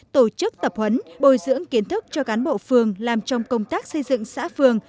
tổ chức tập huấn bồi dưỡng kiến thức cho cán bộ phường làm trong công tác xây dựng xã phường